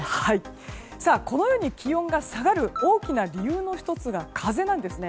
このように気温が下がる大きな理由の１つが風なんです。